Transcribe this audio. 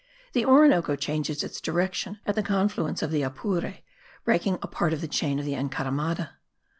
The Orinoco changes its direction at the confluence of the Apure, breaking a part of the chain of the Encaramada.